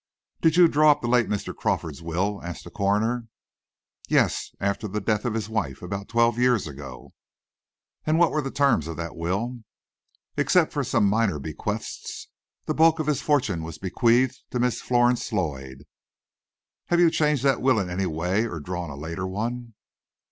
"Did you draw up the late Mr. Crawford's will?" asked the coroner. "Yes; after the death of his wife about twelve years ago." "And what were the terms of that will?" "Except for some minor bequests, the bulk of his fortune was bequeathed to Miss Florence Lloyd." "Have you changed that will in any way, or drawn a later one?"